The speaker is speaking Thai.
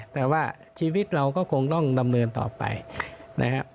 แต่ว่าชีวิตเราก็คงต้องดำเนินต่อไปนะครับ